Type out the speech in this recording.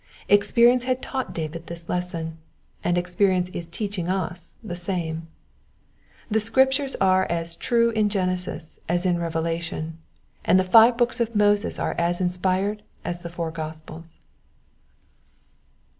Experience had taught David this lesson, and experience is teaching us the same. The Scriptures are as true in Genesis as in Revelation, and the five books of Moses are as inspired as the four Gospels.